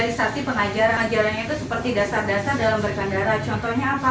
dari stasi pengajaran ajarannya itu seperti dasar dasar dalam berkandara contohnya apa